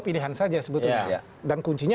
pilihan saja sebetulnya dan kuncinya